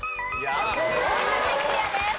大分県クリアです。